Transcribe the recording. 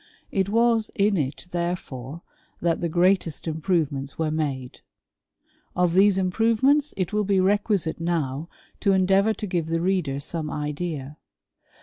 It was in it, therefore, tl^t the greatest improyements were made : of these improvements it will be requisite now to endeavouj to give the reader some idea.